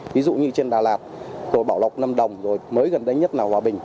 ví dụ như trên đà lạt bảo lộc năm đồng mới gần đến nhất là hòa bình